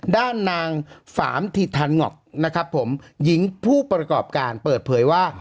ด้านนางฝามทิทานงอกนะครับผมหญิงผู้ประกอบการเปิดเผยว่า